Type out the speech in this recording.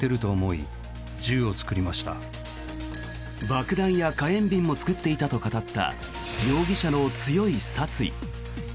爆弾や火炎瓶も作っていたと語った容疑者の強い殺意。